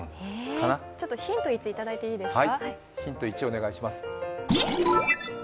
ヒント１いただいていいですか？